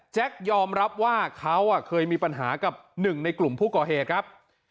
ยอมรับว่าเขาเคยมีปัญหากับหนึ่งในกลุ่มผู้ก่อเหตุครับ